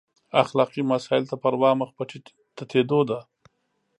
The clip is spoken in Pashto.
اخلاقي مسایلو ته پروا مخ په تتېدو ده.